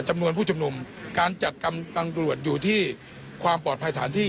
จำนวนผู้ชุมนุมการจัดกำลังตำรวจอยู่ที่ความปลอดภัยสถานที่